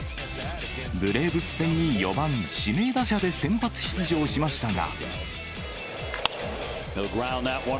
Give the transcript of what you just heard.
ブレーブス戦に４番指名打者で先発出場しましたが。